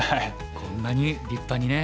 こんなに立派にね。